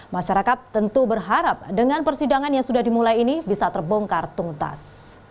masyarakat tentu berharap dengan persidangan yang sudah dimulai ini bisa terbongkar tuntas